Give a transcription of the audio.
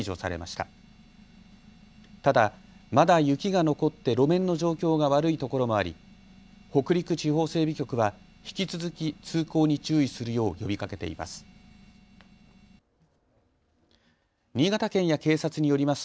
ただ、まだ雪が残って路面の状況が悪いところもあり北陸地方整備局は引き続き通行に注意するよう呼びかけています。